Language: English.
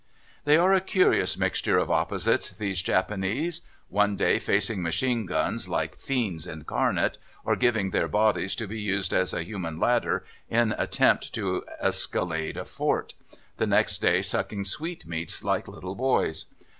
They are a curious mixture of opposites, these Japanese one day facing machine guns like fiends incarnate, or giving their bodies to be used as a human ladder in attempt to escalade a fort, the next day sucking sweetmeats like little boys.